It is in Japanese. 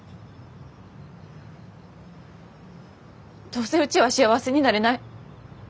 どうせうちは幸せになれない。